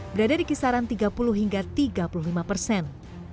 berada di kisaran tiga puluh hingga tiga puluh lima persen